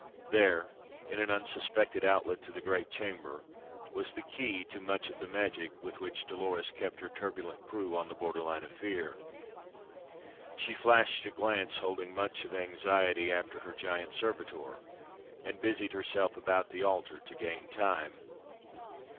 There, in an unsuspected outlet to the great chamber, was the key to much of the magic with which Dolores kept her turbulent crew on the borderline of fear. She flashed a glance holding much of anxiety after her giant servitor, and busied herself about the altar to gain time.